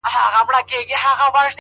گراني اوس دي سترگي رانه پټي كړه ـ